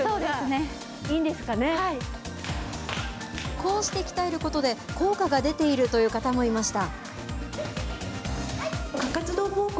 こうして鍛えることで、効果が出ているという方もいました。